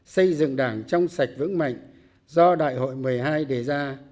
xây dựng đảng trong sạch vững mạnh do đại hội một mươi hai đề ra